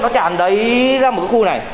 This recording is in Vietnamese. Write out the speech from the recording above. nó tràn đầy ra một cái khu này